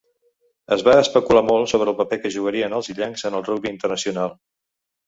Es va especular molt sobre el paper que jugarien els illencs en el rugbi internacional.